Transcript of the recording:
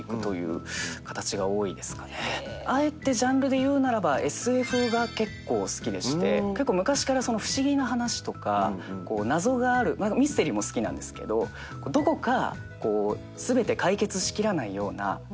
あえてジャンルで言うならばＳＦが結構好きでして結構昔から不思議な話とか謎があるミステリーも好きなんですけどどこか。